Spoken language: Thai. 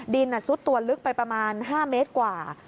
ซุดตัวลึกไปประมาณ๕เมตรกว่า